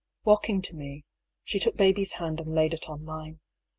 " Walking to me, she took baby's hand and laid it on mine.